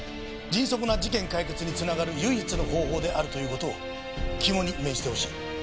迅速な事件解決に繋がる唯一の方法であるという事を肝に銘じてほしい。